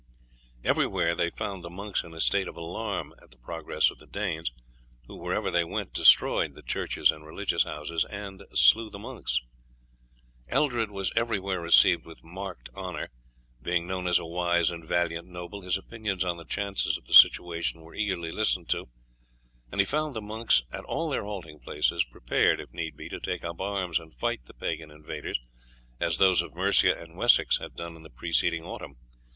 Everywhere they found the monks in a state of alarm at the progress of the Danes, who, wherever they went, destroyed the churches and religious houses, and slew the monks. Eldred was everywhere received with marked honour; being known as a wise and valiant noble, his opinions on the chances of the situation were eagerly listened to, and he found the monks at all their halting places prepared, if need be, to take up arms and fight the pagan invaders, as those of Mercia and Wessex had done in the preceding autumn.